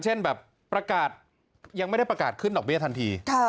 เช่นแบบประกาศยังไม่ได้ประกาศขึ้นดอกเบี้ยทันที